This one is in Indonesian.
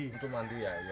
untuk mandi ya